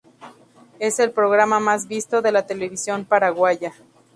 Es el programa mas visto de la televisión paraguaya.